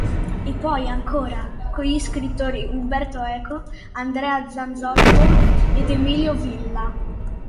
E poi, ancora, con gli scrittori Umberto Eco, Andrea Zanzotto ed Emilio Villa.